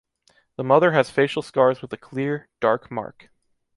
The Mother has facial scars with a clear, dark mark.